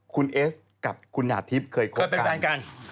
คุณเอสกับคุณหนาทิพย์เคยคบเคยเป็นแฟนกัน